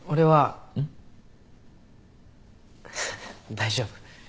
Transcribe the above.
大丈夫。